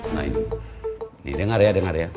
nah ini dengar ya